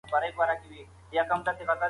په اې ای کې پرمختګ راغلی.